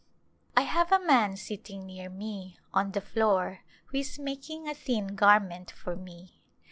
I have a man sitting near me — on the floor — who is making a thin garment for me.